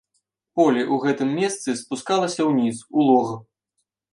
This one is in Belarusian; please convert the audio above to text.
Поле ў гэтым месцы спускалася ўніз, у лог.